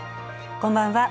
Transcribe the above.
こんばんは。